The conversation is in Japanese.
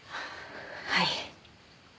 はい。